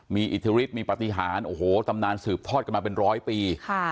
มีอิทธิฤทธิมีปฏิหารโอ้โหตำนานสืบทอดกันมาเป็นร้อยปี